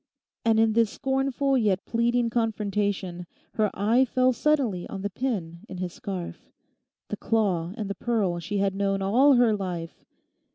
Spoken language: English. And in this scornful yet pleading confrontation her eye fell suddenly on the pin in his scarf—the claw and the pearl she had known all her life.